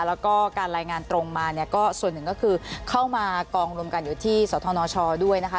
แล้วก็การรายงานตรงมาเนี่ยก็ส่วนหนึ่งก็คือเข้ามากองรวมกันอยู่ที่สธนชด้วยนะคะ